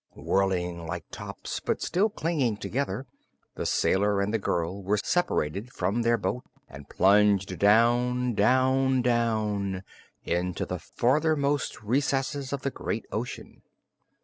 Whirling like tops, but still clinging together, the sailor and the girl were separated from their boat and plunged down down down into the farthermost recesses of the great ocean.